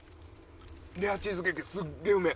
レアチーズケーキすげえうめえ！